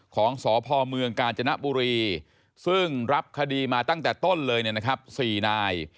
ของสพเมืองกาญจนบุรีซึ่งรับคดีมาตั้งแต่ต้นเลย๔นาย